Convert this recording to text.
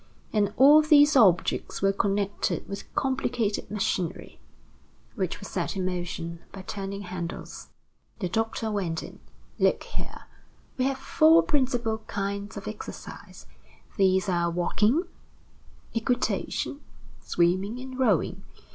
And all these objects were connected with complicated machinery, which was set in motion by turning handles. The doctor went on: "Look here. We have four principal kinds of exercise. These are walking, equitation, swimming, and rowing.